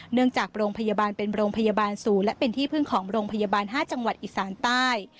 จากโรงพยาบาลเป็นโรงพยาบาลศูนย์และเป็นที่พึ่งของโรงพยาบาล๕จังหวัดอิสานใต้